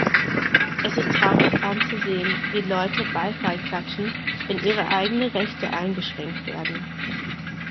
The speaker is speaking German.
Es ist traurig anzusehen, wie Leute Beifall klatschen, wenn ihre eigenen Rechte eingeschränkt werden.